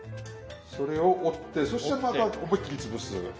それを折ってそしてまた思いっきり潰す。